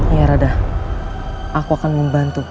ya rada aku akan membantu